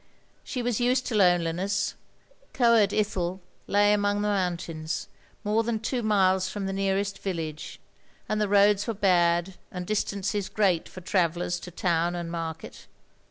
She was used to loneliness. Coed Ithel lay among the moimtains, more than two miles from the nearest village, and the roads were bad and distances great for travellers to town and market.